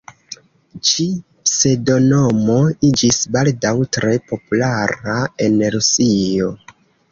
Ĉi-pseŭdonomo iĝis baldaŭ tre populara en Rusio.